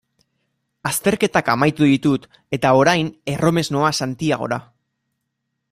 Azterketak amaitu ditut eta orain erromes noa Santiagora.